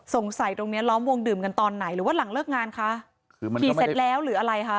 ตรงเนี้ยล้อมวงดื่มกันตอนไหนหรือว่าหลังเลิกงานคะคือมันขี่เสร็จแล้วหรืออะไรคะ